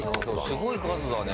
すごい数だね。